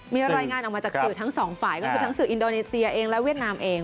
มีรายงานออกมาจากสื่อทั้งสองฝ่ายก็คือทั้งสื่ออินโดนีเซียเองและเวียดนามเอง